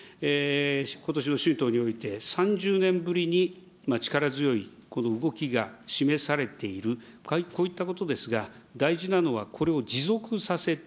ことしの春闘において、３０年ぶりに力強いこの動きが示されている、こういったことですが、大事なのは、これを持続させて、